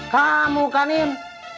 kamu kang nin